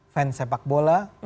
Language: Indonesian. fan sepak bola